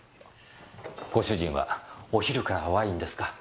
ご主人はお昼からワインですか？